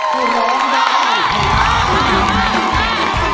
ร้องได้